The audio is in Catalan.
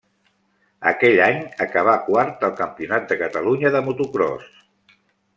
Aquell any acabà quart al Campionat de Catalunya de motocròs.